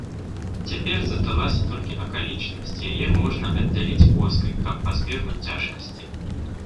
Цяпер засталася толькі акалічнасць, яе можна аддзяліць коскай, каб пазбегнуць цяжкасцей.